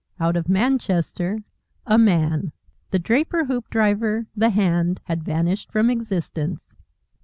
Out of Manchester, a Man. The draper Hoopdriver, the Hand, had vanished from existence.